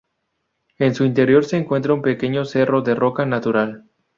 En su interior se encuentra un pequeño cerro de roca natural.